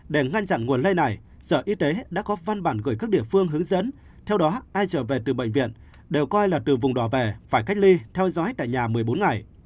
để ngăn chặn nguồn lây này sở y tế đã có văn bản gửi các địa phương hướng dẫn theo đó ai trở về từ bệnh viện đều coi là từ vùng đỏ về phải cách ly theo dõi tại nhà một mươi bốn ngày